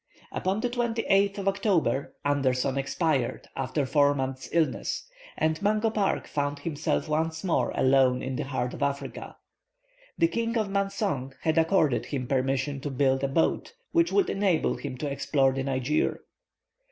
Upon the 28th of October Anderson expired, after four months' illness, and Mungo Park found himself once more alone in the heart of Africa. The King of Mansong had accorded him permission to build a boat, which would enable him to explore the Niger.